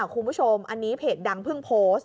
คุณผู้ชมอันนี้เพจดังเพิ่งโพสต์